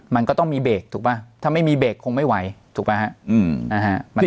มันก็ต้องมีเบรกถูกป่ะถ้าไม่มีเบรกคงไม่ไหวถูกป่ะฮะ